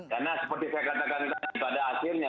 karena seperti saya katakan tadi pada akhirnya